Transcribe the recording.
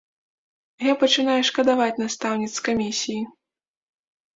Я пачынаю шкадаваць настаўніц з камісіі.